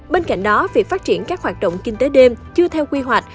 bên cạnh đó việc phát triển các hoạt động kinh tế đêm chưa theo quy hoạch